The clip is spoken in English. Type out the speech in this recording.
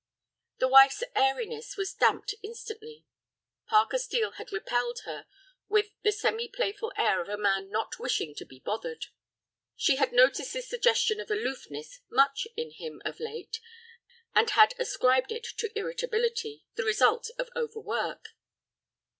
The wife's airiness was damped instantly. Parker Steel had repelled her with the semi playful air of a man not wishing to be bothered. She had noticed this suggestion of aloofness much in him of late, and had ascribed it to irritability, the result of overwork.